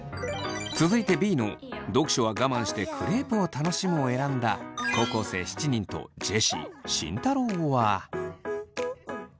続いてＢの「読書は我慢してクレープを楽しむ」を選んだ高校生７人とジェシー慎太郎は。